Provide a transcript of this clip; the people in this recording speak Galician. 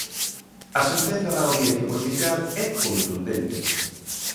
A sentenza da Audiencia Provincial é contundente.